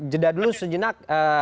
jeda dulu sejenak